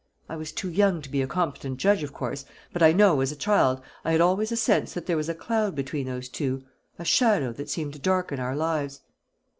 I was too young to be a competent judge, of course; but I know, as a child, I had always a sense that there was a cloud between those two, a shadow that seemed to darken our lives."